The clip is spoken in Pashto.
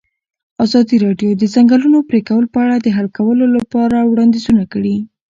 ازادي راډیو د د ځنګلونو پرېکول په اړه د حل کولو لپاره وړاندیزونه کړي.